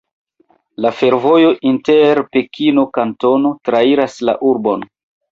La fervojo inter Pekino-Kantono trairas la urbon.